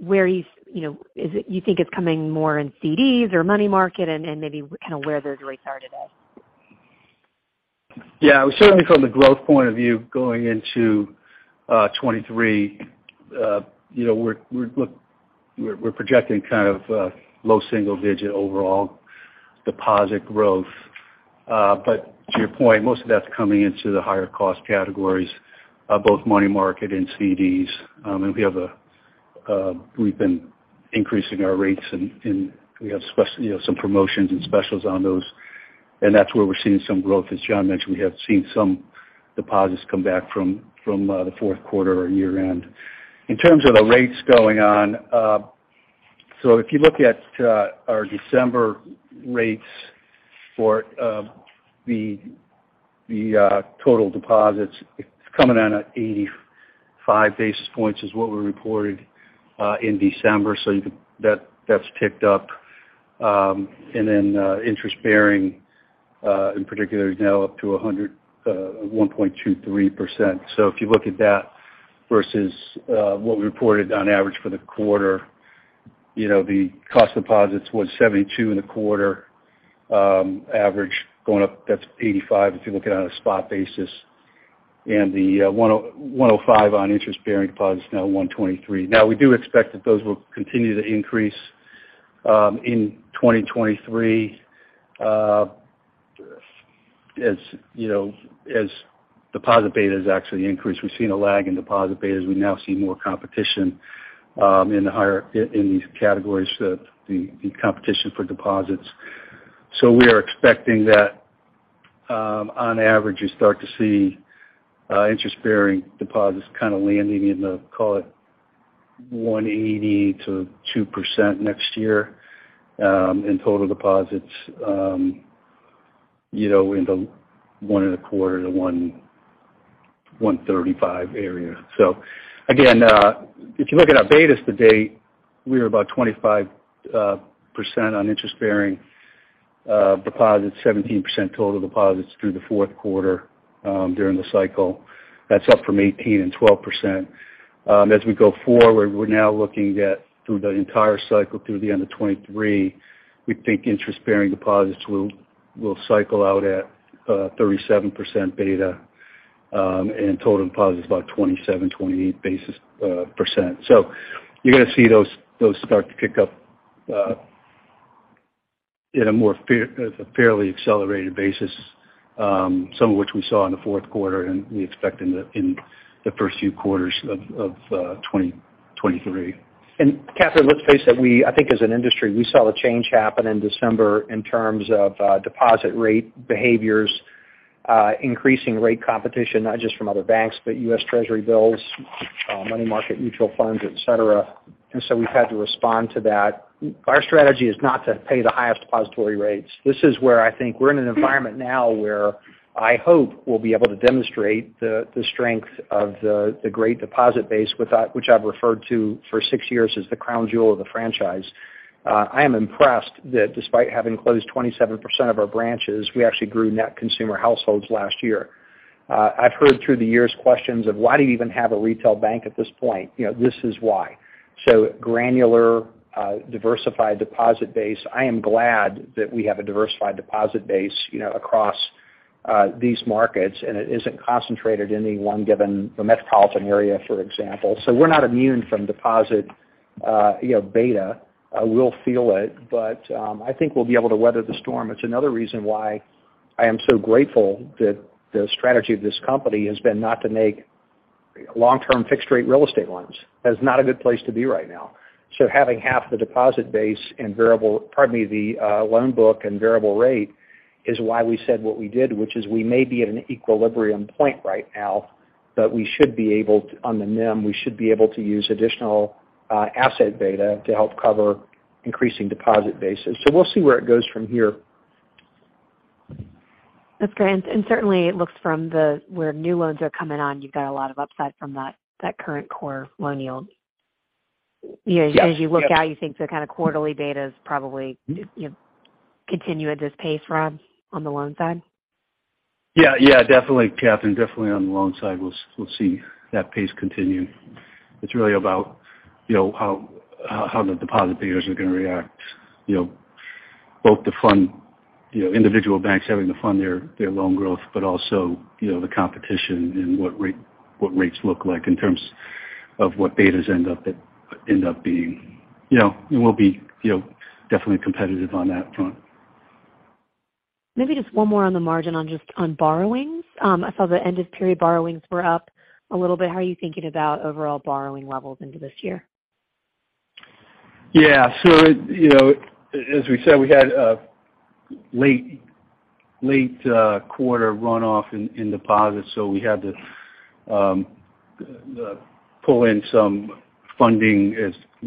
[SPEAKER 8] where are you know, is it you think it's coming more in CDs or money market, and maybe kind of where those rates are today?
[SPEAKER 4] Yeah. Certainly from the growth point of view going into 23, you know, we're projecting kind of low single digit overall deposit growth. To your point, most of that's coming into the higher cost categories of both money market and CDs. We've been increasing our rates and we have you know, some promotions and specials on those, and that's where we're seeing some growth. As John mentioned, we have seen some deposits come back from the fourth quarter or year-end. In terms of the rates going on, if you look at our December rates for the total deposits, it's coming in at 85 basis points is what we reported in December. That's ticked up. And then, interest-bearing, in particular, is now up to 101.23%. If you look at that versus, what we reported on average for the quarter, you know, the cost deposits was 72 in the quarter, average going up, that's 85 if you're looking at a spot basis. The 105 on interest-bearing deposit is now 123. We do expect that those will continue to increase in 2023, as, you know, as deposit betas actually increase. We've seen a lag in deposit betas. We now see more competition, in the higher, in these categories, the competition for deposits. We are expecting that, on average, you start to see interest-bearing deposits kinda landing in the, call it 1.80%-2% next year, in total deposits, you know, into 1.25%-1.35% area. Again, if you look at our betas to date, we are about 25% on interest-bearing deposits, 17% total deposits through the fourth quarter during the cycle. That's up from 18% and 12%. As we go forward, we're now looking at through the entire cycle through the end of 2023, we think interest-bearing deposits will cycle out at 37% beta, and total deposits about 27, 28 basis percent. You're gonna see those start to kick up in a more fairly accelerated basis, some of which we saw in the fourth quarter, and we expect in the first few quarters of 2023.
[SPEAKER 3] Catherine, let's face it, I think as an industry, we saw the change happen in December in terms of deposit rate behaviors, increasing rate competition, not just from other banks, but U.S. Treasury bills, money market mutual funds, et cetera. So we've had to respond to that. Our strategy is not to pay the highest depository rates. This is where I think we're in an environment now where I hope we'll be able to demonstrate the strength of the great deposit base, which I've referred to for six years as the crown jewel of the franchise. I am impressed that despite having closed 27% of our branches, we actually grew net consumer households last year. I've heard through the years questions of, "Why do you even have a retail bank at this point?" You know, this is why. granular, diversified deposit base. I am glad that we have a diversified deposit base, you know, across these markets, and it isn't concentrated in any one given metropolitan area, for example. We're not immune from deposit, you know, beta. We'll feel it, but, I think we'll be able to weather the storm. It's another reason why I am so grateful that the strategy of this company has been not to make long-term fixed rate real estate loans. That is not a good place to be right now. Having half the deposit base pardon me, the loan book and variable rate is why we said what we did, which is we may be at an equilibrium point right now, but we should be able to... on the NIM, we should be able to use additional, asset beta to help cover increasing deposit bases. We'll see where it goes from here.
[SPEAKER 8] That's great. And certainly it looks from the, where new loans are coming on, you've got a lot of upside from that current core loan yield.
[SPEAKER 3] Yes.
[SPEAKER 8] You know, as you look out, you think the kind of quarterly data is probably, you know, continue at this pace, Rob, on the loan side?
[SPEAKER 4] Yeah. Definitely, Catherine. Definitely on the loan side, we'll see that pace continue. It's really about, you know, how the deposit payers are gonna react, you know, both to fund, you know, individual banks having to fund their loan growth, but also, you know, the competition and what rates look like in terms of what betas end up being. You know, we'll be, you know, definitely competitive on that front.
[SPEAKER 8] Maybe just one more on the margin on just on borrowings. I saw the end of period borrowings were up a little bit. How are you thinking about overall borrowing levels into this year?
[SPEAKER 4] Yeah. You know, as we said, we had a late quarter runoff in deposits, so we had to pull in some funding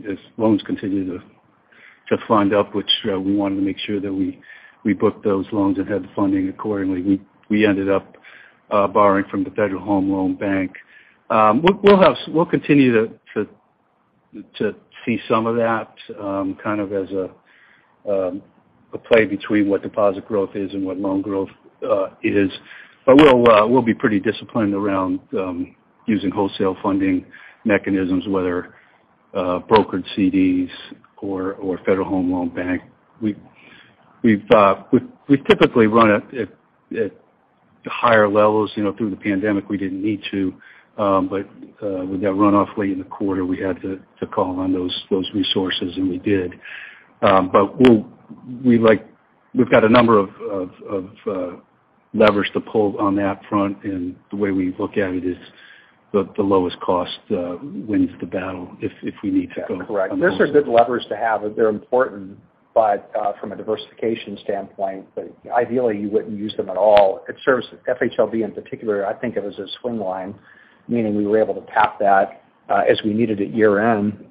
[SPEAKER 4] as loans continue to fund up, which we wanted to make sure that we booked those loans and had the funding accordingly. We ended up borrowing from the Federal Home Loan Bank. We'll continue to see some of that, kind of as a play between what deposit growth is and what loan growth is. We'll be pretty disciplined around using wholesale funding mechanisms, whether brokered CDs or Federal Home Loan Bank. We've typically run at higher levels. You know, through the pandemic, we didn't need to. With that runoff late in the quarter, we had to call on those resources, and we did. We've got a number of levers to pull on that front, and the way we look at it is the lowest cost wins the battle if we need to go.
[SPEAKER 3] That's correct. Those are good levers to have. They're important, from a diversification standpoint, ideally, you wouldn't use them at all. It serves FHLB in particular, I think of as a swing line, meaning we were able to tap that as we needed at year-end.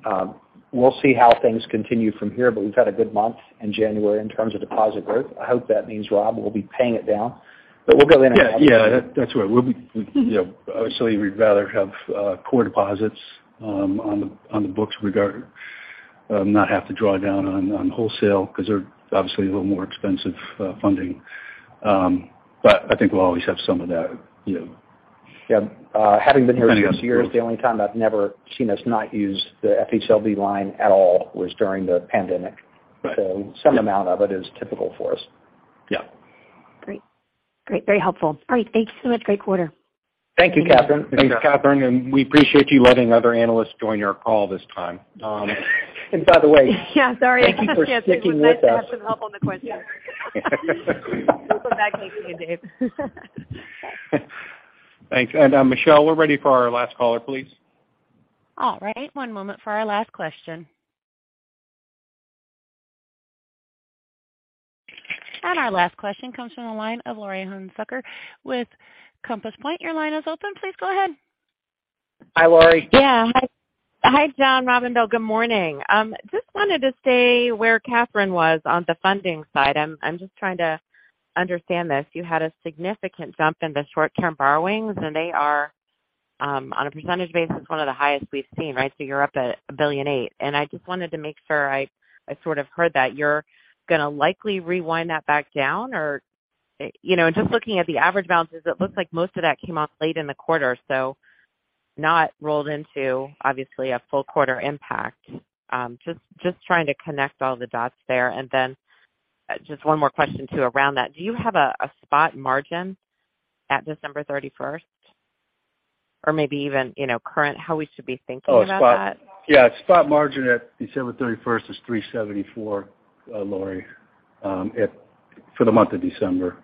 [SPEAKER 3] We'll see how things continue from here, we've had a good month in January in terms of deposit growth. I hope that means, Rob, we'll be paying it down, we'll go into that.
[SPEAKER 4] Yeah. Yeah. That's right. We'll be, you know, obviously we'd rather have core deposits on the books regard, not have to draw down on wholesale because they're obviously a little more expensive funding. I think we'll always have some of that, you know.
[SPEAKER 3] Yeah. Having been here six years, the only time I've never seen us not use the FHLB line at all was during the pandemic.
[SPEAKER 4] Right.
[SPEAKER 3] Some amount of it is typical for us.
[SPEAKER 4] Yeah.
[SPEAKER 8] Great. Great. Very helpful. All right. Thank you so much. Great quarter.
[SPEAKER 3] Thank you, Catherine.
[SPEAKER 4] Thanks, Catherine, and we appreciate you letting other analysts join our call this time. By the way.
[SPEAKER 8] Yeah, sorry.
[SPEAKER 4] Thank you for sticking with us.
[SPEAKER 8] It was nice to have some help on the questions. We'll come back next year, Dave.
[SPEAKER 2] Thanks. Michelle, we're ready for our last caller, please.
[SPEAKER 1] All right. One moment for our last question. Our last question comes from the line of Laurie Hunsicker with Compass Point. Your line is open. Please go ahead.
[SPEAKER 3] Hi, Laurie.
[SPEAKER 9] Yeah, John. Rob Blue, good morning. Just wanted to stay where Catherine was on the funding side. I'm just trying to understand this. You had a significant jump in the short-term borrowings, and they are on a percentage basis, one of the highest we've seen, right? You're up $1,000,000,008. I just wanted to make sure I sort of heard that you're gonna likely rewind that back down? Or, you know, just looking at the average balances, it looks like most of that came off late in the quarter, so not rolled into obviously a full quarter impact. Just trying to connect all the dots there. Just one more question, too, around that. Do you have a spot margin at December 31st? Or maybe even, you know, current, how we should be thinking about that?
[SPEAKER 3] Oh, spot. Yeah, spot margin at December 31st is 3.74%, Laurie, for the month of December,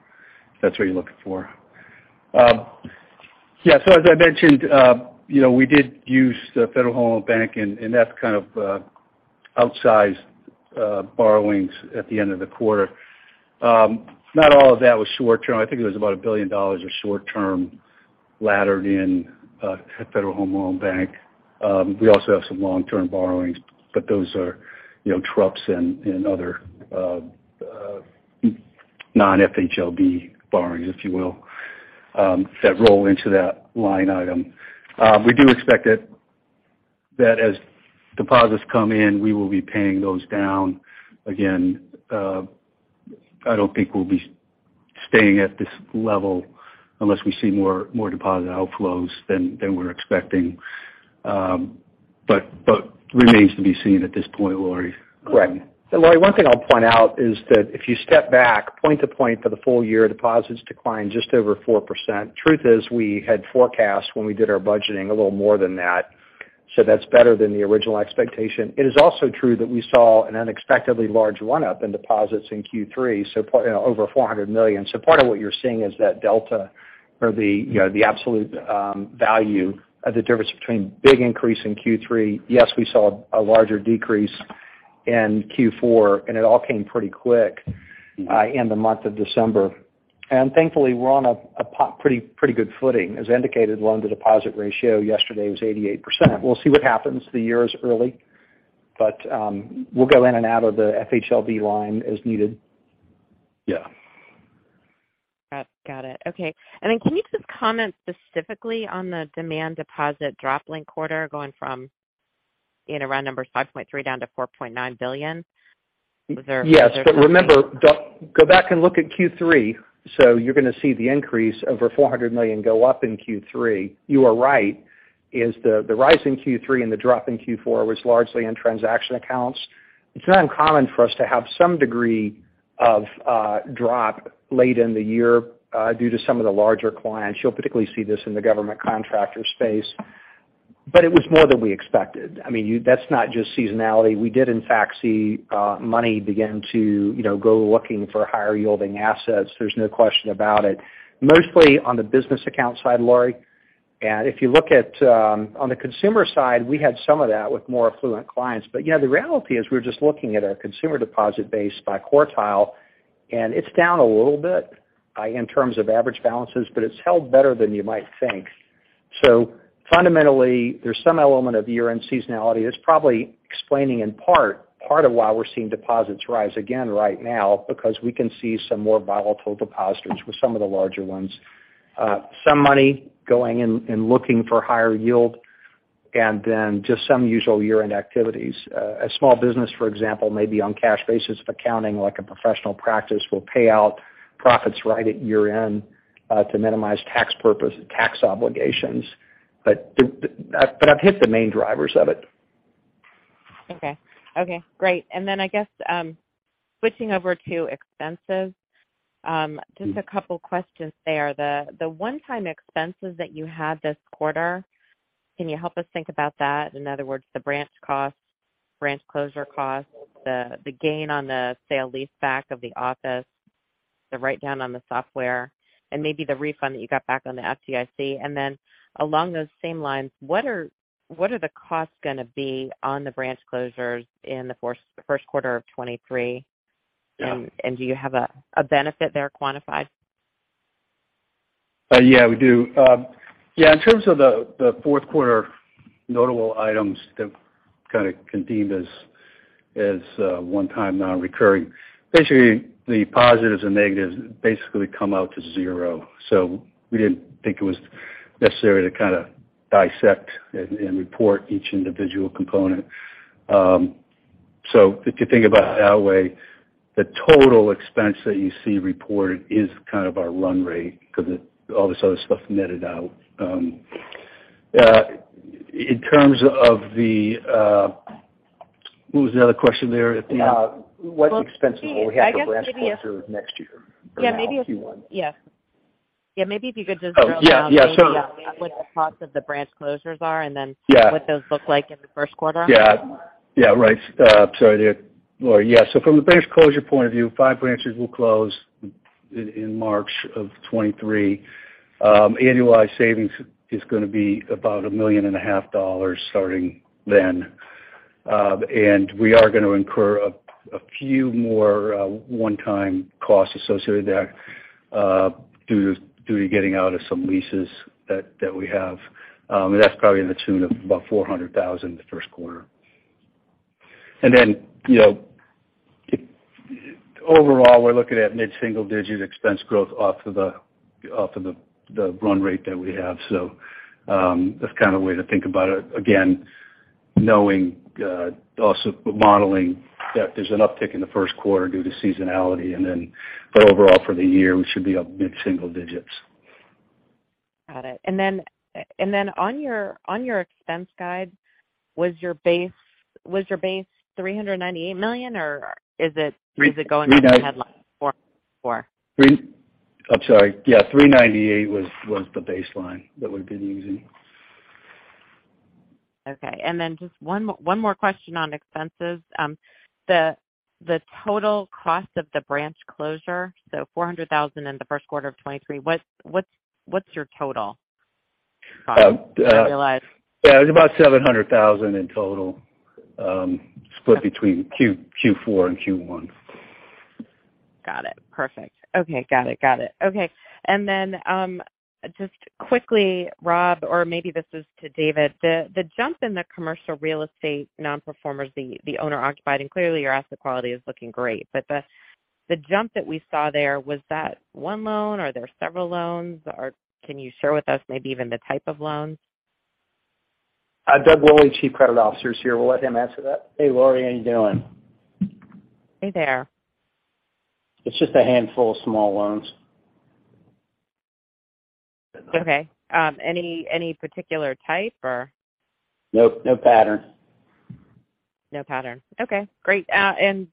[SPEAKER 3] if that's what you're looking for. Yeah, as I mentioned, you know, we did use the Federal Home Loan Bank, and that's kind of outsized borrowings at the end of the quarter. Not all of that was short-term. I think it was about $1 billion of short-term laddered in at Federal Home Loan Bank. We also have some long-term borrowings, but those are, you know, TRUPS and other non-FHLB borrowings, if you will, that roll into that line item. We do expect it that as deposits come in, we will be paying those down again. I don't think we'll be staying at this level unless we see more deposit outflows than we're expecting. Remains to be seen at this point, Laurie. Right. Laurie, one thing I'll point out is that if you step back point to point for the full year, deposits declined just over 4%. Truth is, we had forecast when we did our budgeting a little more than that. That's better than the original expectation. It is also true that we saw an unexpectedly large one-up in deposits in Q3, so part, you know, over $400 million. Part of what you're seeing is that delta or the, you know, the absolute value of the difference between big increase in Q3. Yes, we saw a larger decrease in Q4, and it all came pretty quick in the month of December. Thankfully, we're on a pretty good footing. As indicated, loan to deposit ratio yesterday was 88%. We'll see what happens. The year is early, but we'll go in and out of the FHLB line as needed. Yeah.
[SPEAKER 9] Got it. Okay. Can you just comment specifically on the demand deposit drop link quarter going from, you know, round number $5.3 billion down to $4.9 billion?
[SPEAKER 3] Yes. Remember, go back and look at Q3. You're gonna see the increase over $400 million go up in Q3. You are right, is the rise in Q3 and the drop in Q4 was largely in transaction accounts. It's not uncommon for us to have some degree of drop late in the year due to some of the larger clients. You'll particularly see this in the government contractor space. It was more than we expected. I mean, that's not just seasonality. We did in fact see money begin to, you know, go looking for higher yielding assets. There's no question about it. Mostly on the business account side, Laurie. If you look at on the consumer side, we had some of that with more affluent clients. Yeah, the reality is we're just looking at our consumer deposit base by quartile, and it's down a little bit in terms of average balances, but it's held better than you might think. Fundamentally, there's some element of year-end seasonality that's probably explaining in part of why we're seeing deposits rise again right now because we can see some more volatile depositors with some of the larger ones. Some money going and looking for higher yield and then just some usual year-end activities. A small business, for example, maybe on cash basis of accounting, like a professional practice, will pay out profits right at year-end to minimize tax purpose and tax obligations. I've hit the main drivers of it.
[SPEAKER 9] Okay, great. I guess, switching over to expenses, just a couple questions there. The one-time expenses that you had this quarter, can you help us think about that? In other words, the branch costs, branch closure costs, the gain on the sale-leaseback of the office, the write-down on the software, and maybe the refund that you got back on the FDIC. Along those same lines, what are the costs gonna be on the branch closures in the first quarter of 2023?
[SPEAKER 3] Yeah.
[SPEAKER 9] Do you have a benefit there quantified?
[SPEAKER 3] Yeah, we do. Yeah, in terms of the fourth quarter notable items that kind of convened as one-time non-recurring, basically the positives and negatives basically come out to zero. We didn't think it was necessary to kinda dissect and report each individual component. So if you think about it that way, the total expense that you see reported is kind of our run rate 'cause all this other stuff netted out. In terms of the, what was the other question there at the end?
[SPEAKER 9] Well, I guess...
[SPEAKER 3] What expenses will we have for branch closures next year?
[SPEAKER 9] Yeah. Maybe.
[SPEAKER 3] For Q1.
[SPEAKER 9] Yeah. Yeah, maybe if you could.
[SPEAKER 3] Oh. Yeah, yeah.
[SPEAKER 9] What the costs of the branch closures are?
[SPEAKER 3] Yeah.
[SPEAKER 9] what those look like in the first quarter.
[SPEAKER 3] Yeah. Yeah, right. Sorry there, Laurie. Yeah. From the branch closure point of view, five branches will close in March of 23. Annualized savings is going to be about a million and a half dollars starting then.
[SPEAKER 4] We are gonna incur a few more one-time costs associated there due to getting out of some leases that we have. That's probably in the tune of about $400,000 the first quarter. You know, overall, we're looking at mid-single digit expense growth off of the run rate that we have. That's kinda the way to think about it. Again, knowing, also modeling that there's an uptick in the first quarter due to seasonality. Overall, for the year, we should be up mid-single digits.
[SPEAKER 9] Got it. on your expense guide, was your base $398 million or?
[SPEAKER 4] Three-
[SPEAKER 9] Is it going up 4?
[SPEAKER 4] I'm sorry. Yeah, 398 was the baseline. That would've been the easy.
[SPEAKER 9] Okay, then just one more, one more question on expenses. The total cost of the branch closure, so $400,000 in the first quarter of 2023, what's your total?
[SPEAKER 4] Uh, uh-
[SPEAKER 9] I realize-
[SPEAKER 4] Yeah, it was about $700,000 in total, split between Q4 and Q1.
[SPEAKER 9] Got it. Perfect. Okay. Got it. Got it. Okay. Just quickly, Rob, or maybe this is to David. The, the jump in the commercial real estate nonperformers, the owner-occupied, and clearly your asset quality is looking great. The, the jump that we saw there, was that one loan or there are several loans? Can you share with us maybe even the type of loans?
[SPEAKER 3] Doug Woolley, chief credit officer is here. We'll let him answer that.
[SPEAKER 10] Hey, Laurie, how you doing?
[SPEAKER 9] Hey there.
[SPEAKER 10] It's just a handful of small loans.
[SPEAKER 9] Okay. Any particular type or?
[SPEAKER 10] Nope, no pattern.
[SPEAKER 9] No pattern. Okay, great.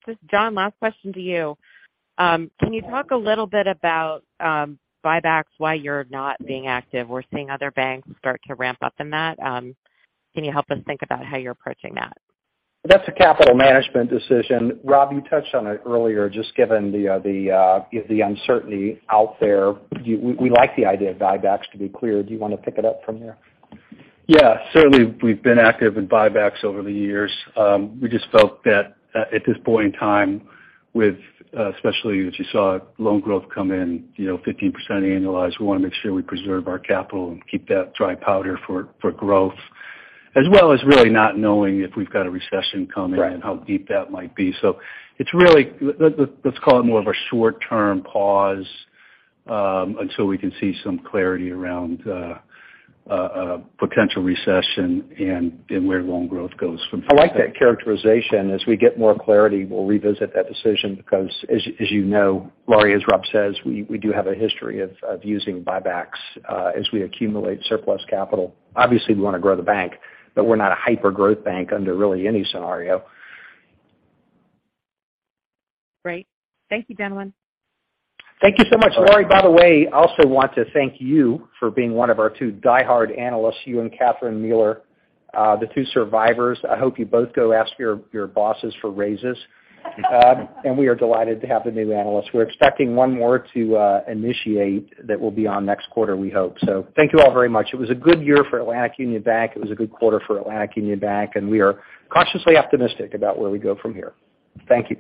[SPEAKER 9] Just John, last question to you. Can you talk a little bit about buybacks, why you're not being active? We're seeing other banks start to ramp up in that. Can you help us think about how you're approaching that?
[SPEAKER 3] That's a capital management decision. Rob, you touched on it earlier, just given the uncertainty out there. We like the idea of buybacks, to be clear. Do you wanna pick it up from there?
[SPEAKER 4] Yeah, certainly we've been active in buybacks over the years. We just felt that, at this point in time with, especially as you saw loan growth come in, you know, 15% annualized, we wanna make sure we preserve our capital and keep that dry powder for growth, as well as really not knowing if we've got a recession coming.
[SPEAKER 3] Right...
[SPEAKER 4] and how deep that might be. It's really, let's call it more of a short-term pause, until we can see some clarity around a potential recession and where loan growth goes from here.
[SPEAKER 3] I like that characterization. As we get more clarity, we'll revisit that decision because as you know, Laurie, as Rob says, we do have a history of using buybacks as we accumulate surplus capital. Obviously, we wanna grow the bank, but we're not a hyper-growth bank under really any scenario.
[SPEAKER 9] Great. Thank you, gentlemen.
[SPEAKER 3] Thank you so much, Laurie. By the way, I also want to thank you for being one of our two diehard analysts, you and Catherine Mealor, the two survivors. I hope you both go ask your bosses for raises. We are delighted to have the new analysts. We're expecting one more to initiate that will be on next quarter, we hope. Thank you all very much. It was a good year for Atlantic Union Bank. It was a good quarter for Atlantic Union Bank, we are cautiously optimistic about where we go from here. Thank you.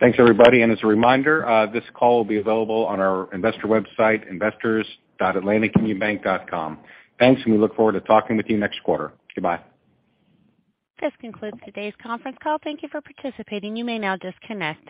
[SPEAKER 2] Thanks, everybody. As a reminder, this call will be available on our investor website, investors.atlanticunionbank.com. Thanks, and we look forward to talking with you next quarter. Goodbye.
[SPEAKER 1] This concludes today's conference call. Thank you for participating. You may now disconnect.